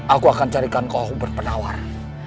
aku akan carikan kau berpenawar